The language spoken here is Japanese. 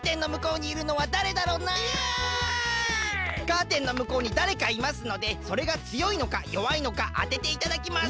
カーテンのむこうに誰かいますのでそれがつよいのかよわいのかあてていただきます。